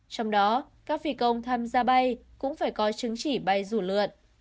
trong đó các phi công tham gia bay cũng phải có chứng chỉ bay rủ lượn